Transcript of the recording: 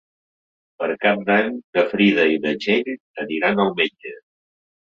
Per Cap d'Any na Frida i na Txell aniran al metge.